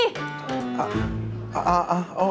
เอาเอาเอา